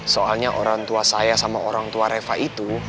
soalnya orang tua saya sama orang tua reva itu